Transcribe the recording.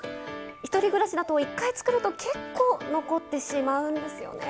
１人暮らしだと一回作ると結構、残ってしまうんですよね。